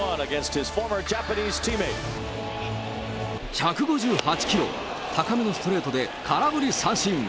１５８キロ、高めのストレートで空振り三振。